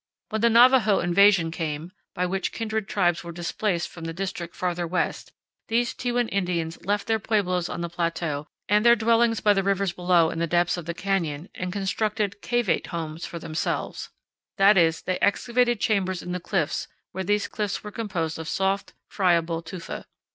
When the Navajo invasion came, by which kindred tribes were displaced from the district farther west, these Tewan Indians left their pueblos on the plateau and their dwellings by the rivers below in the depths of the canyon and constructed cavate homes for themselves; that is, they excavated chambers in the cliffs where these cliffs were composed of soft, friable tufa.